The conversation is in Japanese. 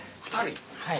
はい。